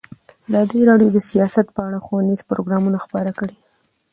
ازادي راډیو د سیاست په اړه ښوونیز پروګرامونه خپاره کړي.